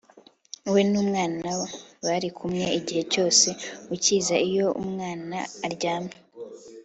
we n'umwana bari kumwe igihe cyose ukiza iyo umwana aryamye